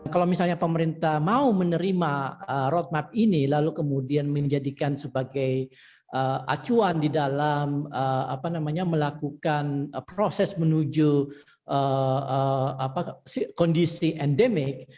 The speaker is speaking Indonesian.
kalau misalnya pemerintah mau menerima roadmap ini lalu kemudian menjadikan sebagai acuan di dalam melakukan proses menuju kondisi endemik